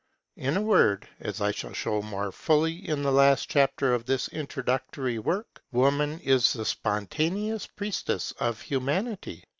In a word, as I shall show more fully in the last chapter of this introductory work, Woman is the spontaneous priestess of Humanity.